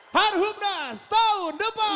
harhubnas tahun depan